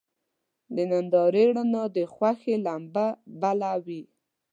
د نندارې رڼا د خوښۍ لمبه بله وي.